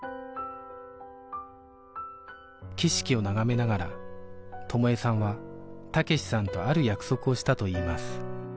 景色を眺めながら友枝さんは武志さんとある約束をしたといいます